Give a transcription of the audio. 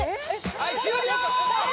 はい終了！